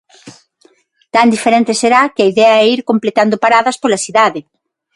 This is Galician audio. Tan diferente será que a idea é ir completando paradas pola cidade.